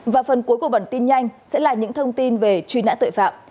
và phần cuối của bản tin nhanh sẽ là những thông tin về truy nã tội phạm